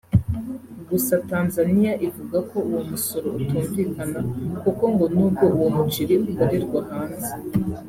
Gusa Tanzania ivuga ko uwo musoro utumvikana kuko ngo n’ubwo uwo muceri ukorerwa hanze